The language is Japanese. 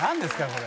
これ。